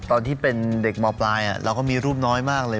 ตอนที่เป็นเด็กมปลายเราก็มีรูปน้อยมากเลย